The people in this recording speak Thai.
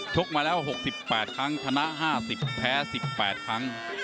ชกมาแล้วหกสิบแปดครั้งถนะห้าสิบแพ้สิบแปดครั้ง